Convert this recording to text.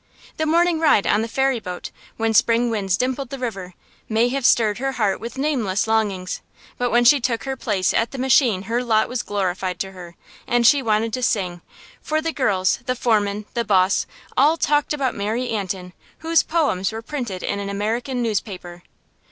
The morning ride on the ferryboat, when spring winds dimpled the river, may have stirred her heart with nameless longings, but when she took her place at the machine her lot was glorified to her, and she wanted to sing; for the girls, the foreman, the boss, all talked about Mary Antin, whose poems were printed in an American newspaper.